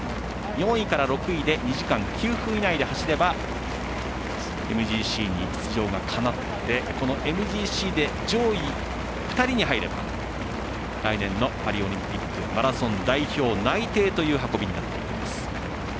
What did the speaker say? ４位から６位で２時間９分以内で走ればＭＧＣに出場がかなってこのＭＧＣで上位２人に入れば来年のパリオリンピックマラソン代表内定という運びになっています。